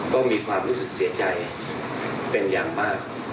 ก็มีความรู้สึกเสียใจเป็นอย่างมาก